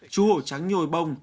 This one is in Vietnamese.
chú hổ trắng nhồi bông